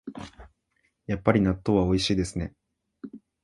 やっぱり納豆はおいしいですね